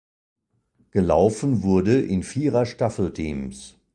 Gelaufen wurde in Vierer-Staffel-Teams.